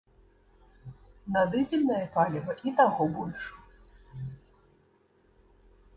На дызельнае паліва і таго больш.